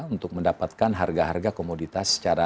untuk mendapatkan harga harga komoditas secara